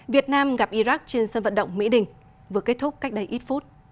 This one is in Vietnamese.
việt nam gặp iraq trên sân vận động mỹ đình vừa kết thúc cách đây ít phút